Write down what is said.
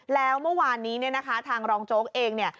แล้วเมื่อวานนี้เนี่ยนะคะทางรองโจ๊กเองเนี่ย